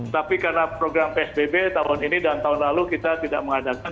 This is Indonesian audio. tapi karena program psbb tahun ini dan tahun lalu kita tidak mengadakan